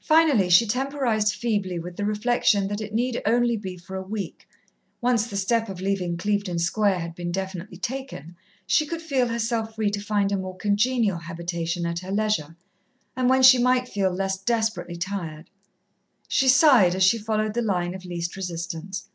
Finally she temporized feebly with the reflection that it need only be for a week once the step of leaving Clevedon Square had been definitely taken, she could feel herself free to find a more congenial habitation at her leisure, and when she might feel less desperately tired. She sighed, as she followed the line of least resistance.